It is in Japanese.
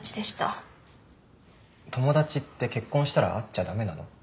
友達って結婚したら会っちゃ駄目なの？